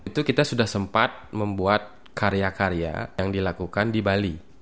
itu kita sudah sempat membuat karya karya yang dilakukan di bali